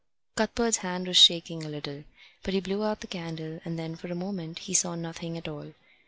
Cuthbert's hand was shaking a little, but he blew out the candle, and then, for a moment, he saw nothing at all.